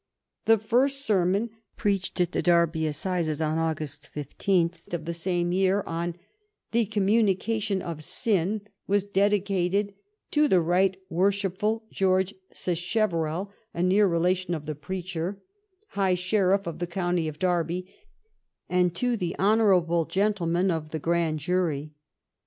The first sermon, preached at the Derby assizes on August 16th of the same year, on " The CoDMnunica tion of Sin," was dedicated " To the Right Worship ful Gteorge Sacheverell," a near relation of the preacher, "High Sheriff of the County of Derby, and to tho Honourable Gentlemen of the Grand Jury."